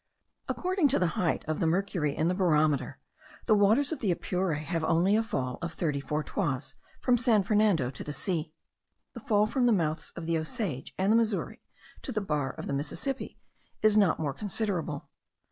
According to the height of the mercury in the barometer, the waters of the Apure have only a fall of thirty four toises from San Fernando to the sea. The fall from the mouths of the Osage and the Missouri to the bar of the Mississippi is not more considerable.